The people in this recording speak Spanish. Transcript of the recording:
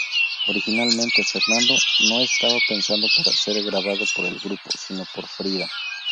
Originalmente, "Fernando" no estaba pensado para ser grabado por el grupo, sino por Frida.